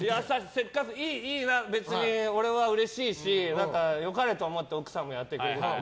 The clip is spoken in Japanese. せっかく、いいな別に俺はうれしいし良かれと思って奥さんがやってくれるから。